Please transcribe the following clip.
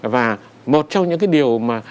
và một trong những cái điều mà